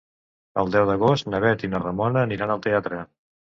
El deu d'agost na Bet i na Ramona aniran al teatre.